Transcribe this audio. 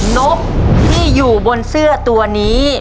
นกที่อยู่บนเสื้อตัวนี้